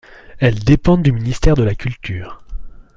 Elles dépendent du ministère de la Culture.